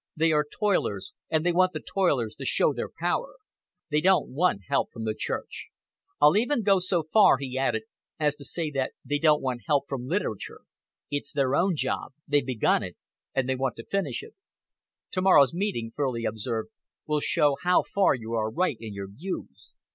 "They are toilers, and they want the toilers to show their power. They don't want help from the Church. I'll go even so far," he added, "as to say that they don't want help from literature. It's their own job. They've begun it, and they want to finish it." "To morrow's meeting," Furley observed, "will show how far you are right in your views.